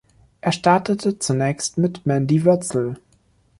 Er startete zunächst mit Mandy Wötzel.